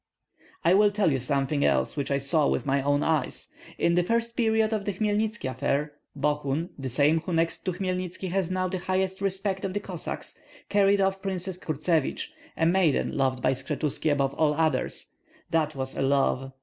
"I will tell you something else which I saw with my own eyes. In the first period of the Hmelnitski affair, Bogun, the same who next to Hmelnitski has now the highest respect of the Cossacks, carried off Princess Kurtsevich, a maiden loved by Skshetuski above all things. That was a love!